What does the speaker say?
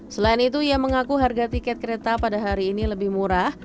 selain itu ia mengaku harga tiket kereta pada hari ini lebih murah